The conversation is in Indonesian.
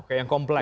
oke yang kompleks